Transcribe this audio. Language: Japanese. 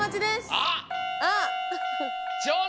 あっ！